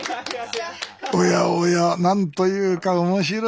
おやおや何というか面白いですな。